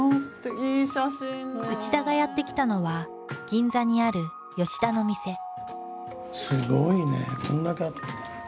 内田がやって来たのは銀座にある田の店。